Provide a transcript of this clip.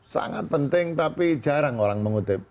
sangat penting tapi jarang orang mengutip